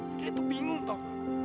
adrian tuh bingung pak